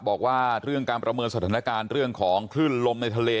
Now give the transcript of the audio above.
บอกว่าเรื่องการประเมินสถานการณ์เรื่องของคลื่นลมในทะเล